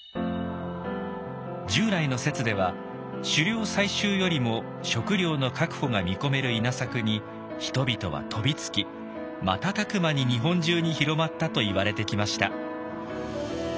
従来の説では狩猟採集よりも食料の確保が見込める稲作に人々は飛びつき瞬く間に日本中に広まったといわれてきました。